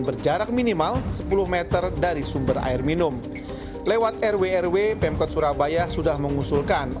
berjarak minimal sepuluh meter dari sumber air minum lewat rw rw pemkot surabaya sudah mengusulkan